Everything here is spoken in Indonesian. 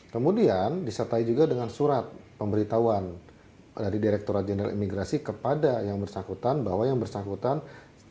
kemudian disertai juga dengan surat pemberitahuan dari direkturat jenderal imigrasi kepada yang bersangkutan bahwa yang bersangkutan